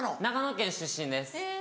長野県出身です。